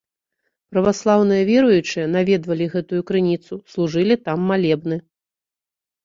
Праваслаўныя веруючыя наведвалі гэтую крыніцу, служылі там малебны.